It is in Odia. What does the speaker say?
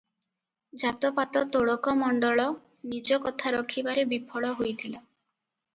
ଜାତ-ପାତ ତୋଡ଼କ ମଣ୍ଡଳ ନିଜ କଥା ରଖିବାରେ ବିଫଳ ହୋଇଥିଲା ।